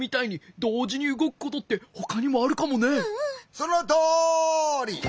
そのとおり！